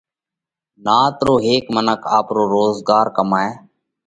نات رو هر هيڪ منک آپرو روزڳار ڪمائہ۔